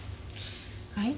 はい？